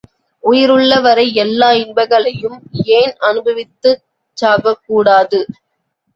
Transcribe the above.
உயிருள்ள வரை எல்லா இன்பங்களையும் ஏன் அனுபவித்துச் சாகக்கூடாது?